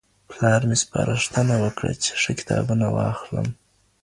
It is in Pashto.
پلار مي سپارښتنه وکړه چي ښه کتابونه واخلم.